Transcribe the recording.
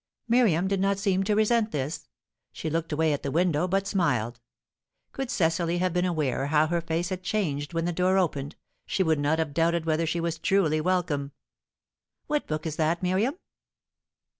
Miriam did not seem to resent this. She looked away at the window, but smiled. Could Cecily have been aware how her face had changed when the door opened, she would not have doubted whether she was truly welcome. "What book is that, Miriam?"